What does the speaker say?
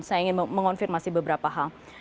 saya ingin mengonfirmasi beberapa hal